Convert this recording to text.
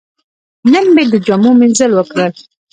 نن مې د جامو مینځل وکړل.